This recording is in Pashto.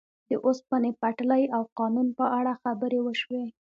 د اوسپنې پټلۍ او قانون په اړه خبرې وشوې.